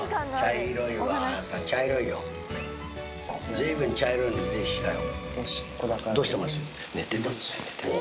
随分茶色いの出てきたよ。